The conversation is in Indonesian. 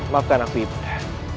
maafkan aku ibu ren